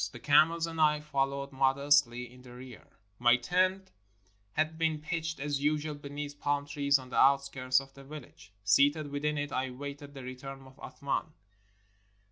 The camels and I followed modestly in the rear. 352 THE OASES OF THE GREAT GRANDFATHER My tent had been pitched as usual beneath palm trees on the outskirts of the village. Seated within it I awaited the return of Athman.